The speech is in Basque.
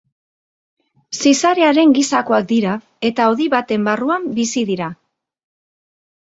Zizarearen gisakoak dira eta hodi baten barruan bizi dira.